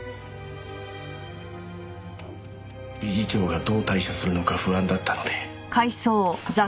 理事長がどう対処するのか不安だったので。